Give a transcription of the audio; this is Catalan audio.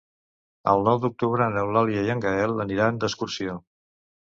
El nou d'octubre n'Eulàlia i en Gaël aniran d'excursió.